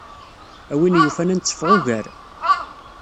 A win yufan ad netteffeɣ ugar.